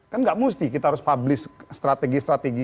kan nggak mesti kita harus publish strategi strategi